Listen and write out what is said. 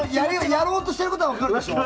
やろうとしていることは分かるでしょ？